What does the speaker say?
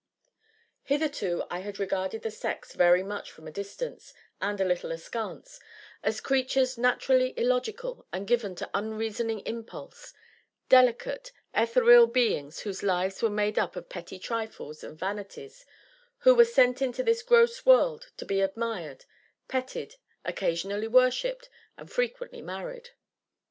Hitherto I had regarded the sex very much from a distance, and a little askance, as creatures naturally illogical, and given to unreasoning impulse; delicate, ethereal beings whose lives were made up of petty trifles and vanities, who were sent into this gross world to be admired, petted, occasionally worshipped, and frequently married.